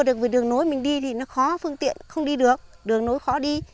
đường về đường nối mình đi thì nó khó phương tiện không đi được đường nối khó đi